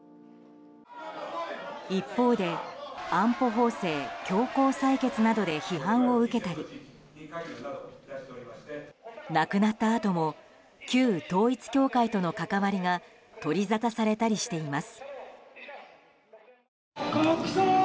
一方で安保法制強行採決などで批判を受けたり亡くなったあとも旧統一教会との関わりが取りざたされたりしています。